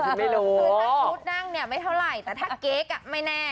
คือถ้าชุดนั่งเนี่ยไม่เท่าไหร่แต่ถ้าเก๊กไม่แน่